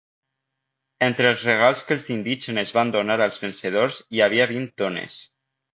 Entre els regals que els indígenes van donar als vencedors hi havia vint dones.